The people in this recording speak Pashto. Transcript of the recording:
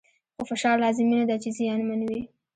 خو فشار لازمي نه دی چې زیانمن وي.